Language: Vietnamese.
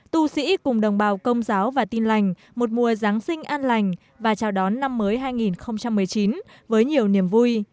tu sĩ cùng đồng bào công giáo và tin lành một mùa giáng sinh an lành và chào đón năm mới hai nghìn một mươi chín với nhiều niềm vui